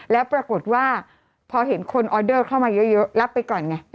แล้วปรากฏว่าพอเห็นคนออเดอร์เข้ามาเยอะรับไปก่อนไง